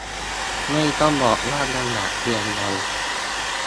ไม่ต้องบอกว่าลำบากเพียงใด